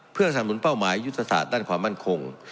เพื่อสำนุนเป้าหมายยุทธศาสตร์ด้านความมั่นคง